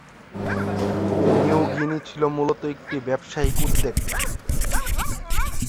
New Guinea ছিল মূলত একটি ব্যবসায়িক উদ্যোগ।